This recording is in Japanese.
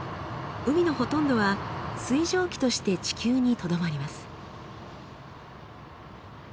海のほとんどは水蒸気として地球にとどまります。